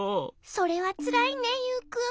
それはつらいねユウくん。